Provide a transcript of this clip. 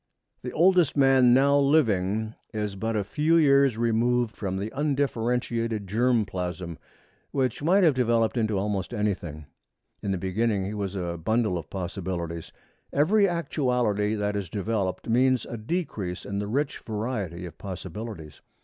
The oldest man now living is but a few years removed from the undifferentiated germ plasm, which might have developed into almost anything. In the beginning he was a bundle of possibilities. Every actuality that is developed means a decrease in the rich variety of possibilities.